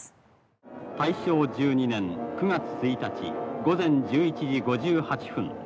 大正１２年９月１日午前１１時５８分。